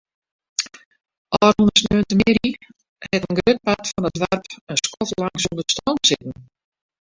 Ofrûne sneontemiddei hat in grut part fan it doarp in skoftlang sonder stroom sitten.